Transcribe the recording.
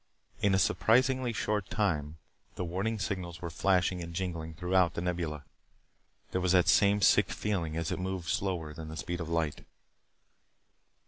In a surprisingly short time, the warning signals were flashing and jingling throughout The Nebula. There was that same sick feeling as it moved slower than the speed of light.